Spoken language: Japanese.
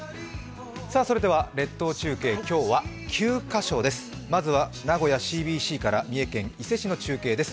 列島中継、今日は９カ所ですまずは名古屋ＣＢＣから伊勢市からの中継です。